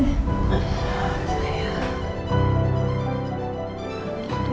ya kayak gitu